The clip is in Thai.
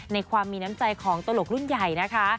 ในความมีน้ำใจของตลกรุ่นใหญ่นะคะ